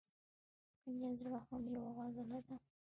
ایا زړه هم یوه عضله ده